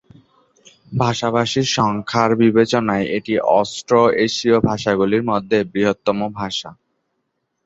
ভাষাভাষীর সংখ্যার বিচারে এটি অস্ট্রো-এশীয় ভাষাগুলির মধ্যে বৃহত্তম ভাষা।